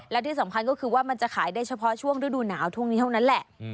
และที่สำคัญก็คือว่ามันจะขายได้เฉพาะช่วงฤดูหนาวช่วงนี้เท่านั้นแหละ